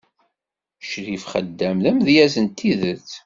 Ccrif Xeddam d amedyaz n tidet.